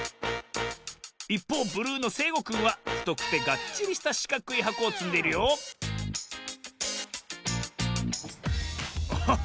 いっぽうブルーのせいごくんはふとくてがっちりしたしかくいはこをつんでいるよおっ！